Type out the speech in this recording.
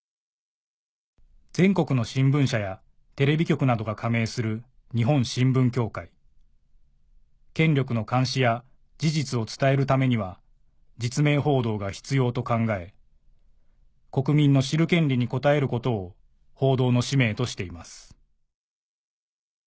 全国の新聞社やテレビ局などが加盟する日本新聞協会権力の監視や事実を伝えるためには実名報道が必要と考え国民の知る権利に応えることを報道の使命としています